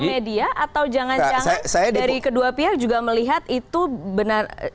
itu itu permedia atau jangan jangan dari kedua pihak juga melihat itu saling sindir